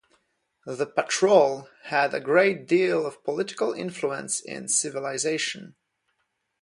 The Patrol had a great deal of political influence in Civilization.